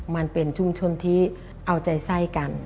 มันเป็นชุมชนที่เอาใจไส้กัน